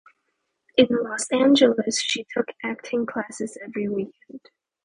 In Los Angeles she took acting classes every weekend.